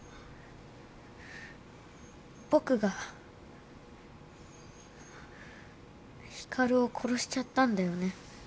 僕が光を殺しちゃったんだよね？